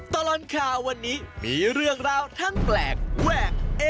ตลอดข่าววันนี้มีเรื่องราวทั้งแปลกแวกเอ๊